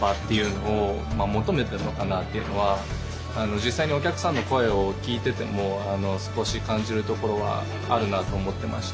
実際にお客さんの声を聞いてても少し感じるところはあるなと思ってまして。